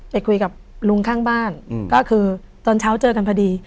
ไปคุยกับลุงข้างบ้านก็คือตอนเช้าเจอกันพอดี